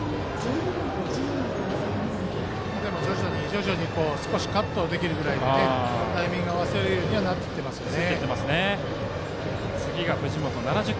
徐々に少しカットできるぐらいにタイミングを合わせられるようになってきましたね。